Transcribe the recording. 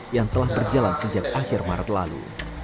yang telah berjalan sejak akhir maret lalu